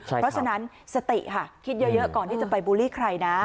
เพราะฉะนั้นสติค่ะคิดเยอะก่อนที่จะไปบูลลี่ใครนะ